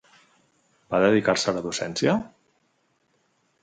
Va dedicar-se a la docència?